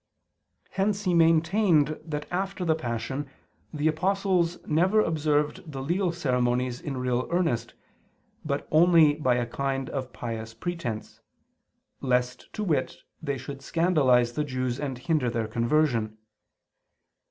Hence he maintained that after the Passion the apostles never observed the legal ceremonies in real earnest; but only by a kind of pious pretense, lest, to wit, they should scandalize the Jews and hinder their conversion.